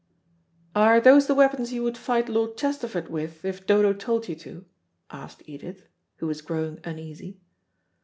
"Are those the weapons you would fight Lord Chesterford with, if Dodo told you to?" asked Edith, who was growing uneasy.